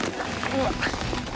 うわっ！